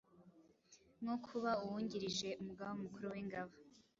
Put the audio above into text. nko kuba Uwungirije Umugaba Mukuru w’Ingabo